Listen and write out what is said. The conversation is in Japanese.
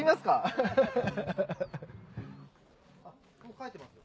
書いてますよ